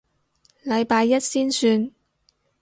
禮拜一先算